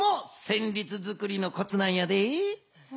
せんりつづくりのコツなんやで。